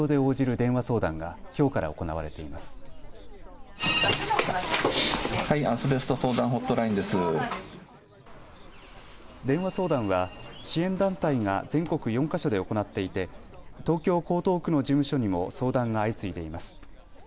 電話相談は支援団体が全国４か所で行っていて東京江東区の事務所にも相談が相次いでいます。